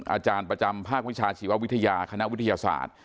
อาจารย์ประจำภาควิชาชีววิทยาคณะวิทยาศาสตร์